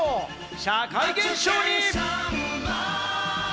社会現象に。